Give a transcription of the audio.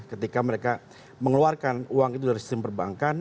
ketika mereka mengeluarkan uang itu dari sistem perbankan